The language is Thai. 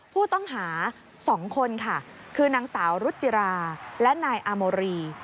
ผู้ต้องหา๒คนค่ะคือนางสาวรุจิราและนายอาโมรี